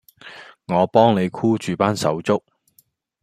我幫你箍住班手足